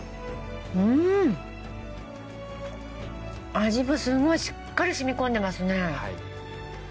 味もすごいしっかりしみこんでますね。